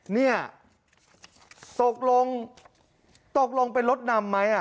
เนี่ยตกลงตกลงเป็นรถนำไหม